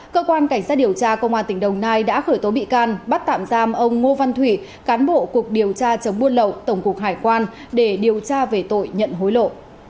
cơ quan cảnh sát điều tra công an tỉnh đồng nai đã khởi tố bị can bắt tạm giam ông ngô văn thủy cán bộ cục điều tra chống buôn lậu tổng cục hải quan để điều tra về tội nhận hối lộ